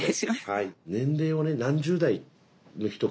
はい。